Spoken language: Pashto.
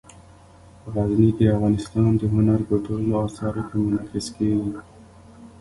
غزني د افغانستان د هنر په ټولو اثارو کې منعکس کېږي.